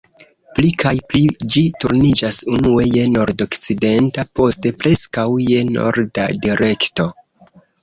Pli kaj pli ĝi turniĝas unue je nordokcidenta, poste preskaŭ je norda direkto.